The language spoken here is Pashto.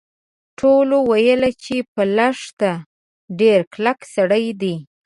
ټولو ویل چې په لښته ډیر کلک سړی دی.